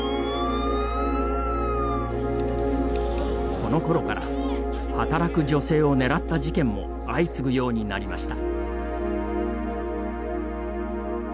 このころから働く女性を狙った事件も相次ぐようになりました。